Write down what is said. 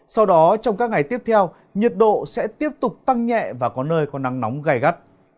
sau đó trong các ngày tiếp theo nhiệt độ sẽ tiếp tục tăng nhẹ và có nơi có nắng nóng gai gắt